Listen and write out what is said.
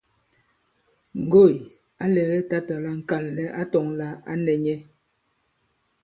Ŋgoỳ à lɛgɛ tǎtà la ŋ̀kànlɛ̀ ǎ tɔ̄ŋ lā ǎ nɛ̄ nyɛ̄.